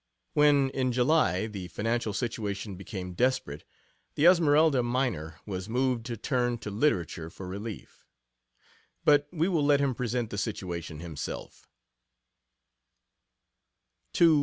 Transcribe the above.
When, in July, the financial situation became desperate, the Esmeralda miner was moved to turn to literature for relief. But we will let him present the situation himself.